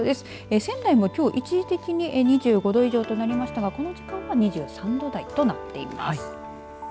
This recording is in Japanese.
仙台も、きょう一時的に２５度以上となりましたがこの時間は２３度台となっています。